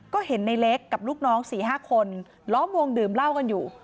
ก็เห็นในเล็กกับลูกน้อง๔๕คนล้อมวงดื่มเหล้ากันอยู่